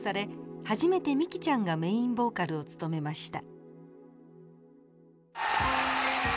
初めてミキちゃんがメインボーカルを務めました。